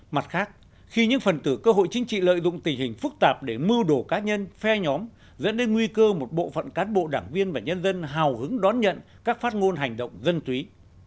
mặt khác khi những phần tử cơ hội chính trị lợi dụng tình hình phức tạp để mưu đồ cá nhân phe nhóm dẫn đến nguy cơ một bộ phận cán bộ đảng viên và nhân dân hào hứng đón nhận các phát ngôn hành động dân túy